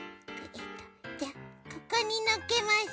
じゃあここにのっけます。